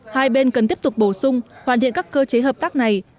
hai bên cần tiếp tục bổ sung hoàn thiện các cơ chế hợp tác này